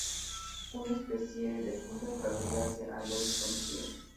Una especie de punto de partida hacia algo desconocido.